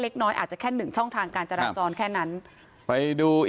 เล็กน้อยอาจจะแค่หนึ่งช่องทางการจราจรแค่นั้นไปดูอีก